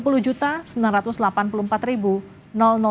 pan sepuluh sembilan ratus delapan puluh empat atau dua puluh tujuh persen